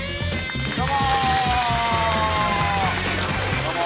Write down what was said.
どうも。